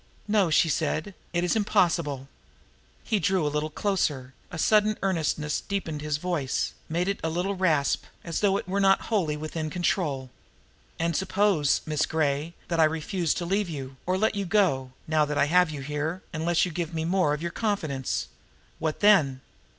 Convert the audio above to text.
"No," she said. "It is impossible." He drew a little closer. A sudden earnestness deepened his voice, made it rasp a little, as though it were not wholly within control. "And suppose, Miss Gray, that I refuse to leave you, or to let you go, now that I have you here, unless you give me more of your confidence? What then?"